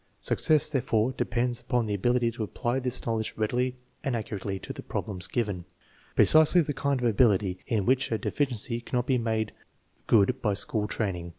Success, therefore, depends upon the ability to apply this knowledge readily and accurately to the problems given precisely the kind of ability in which a deficiency cannot be made good by school training.